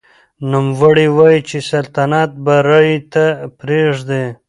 نوموړي وايي چې سلطنت به رایې ته پرېږدي.